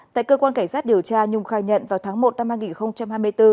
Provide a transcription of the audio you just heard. tại cơ quan cảnh sát điều tra nhung khai nhận vào tháng một năm hai nghìn hai mươi bốn